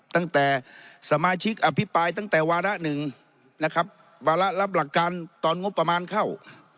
ตั้งแต่สมาชิกอภิปรายตั้งแต่วาระหนึ่งนะครับวาระรับหลักการตอนงบประมาณเข้า